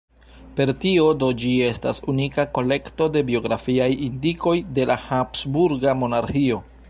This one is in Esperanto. Per tio do ĝi estas unika kolekto de biografiaj indikoj de la habsburga monarĥio.